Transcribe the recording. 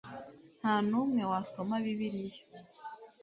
nta n'umwe wasoma bibiliya